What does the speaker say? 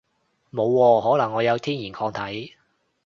冇喎，可能我有天然抗體